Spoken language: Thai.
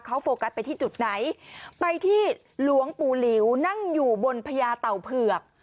เขาโฟกัสไปที่จุดไหนไปที่หลวงปู่หลิวนั่งอยู่บนพญาเต่าเผือก